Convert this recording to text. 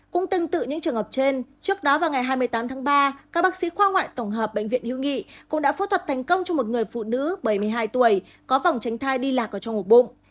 cũng tương tự những trường hợp trên trước đó vào ngày hai mươi tám tháng ba các bác sĩ khoa ngoại tổng hợp bệnh viện hiếu nghị cũng đã phẫu thuật thành công cho một người phụ nữ bảy mươi hai tuổi có vòng tránh thai đi lạc ở trong một bụng